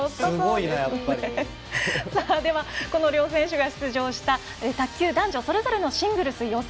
ではこの両選手が出場した卓球男女それぞれのシングルス予選